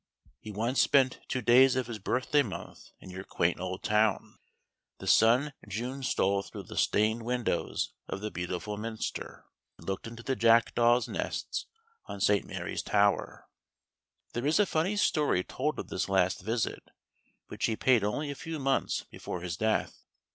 He once spent two days of his birthday month in your quaint old town. The June sun stole through the stained windows of the beautiful Minster, and looked into the jackdaws' nests on St. Mary's Tower. There is a funny story told of this last visit, which he paid only a few months before his death.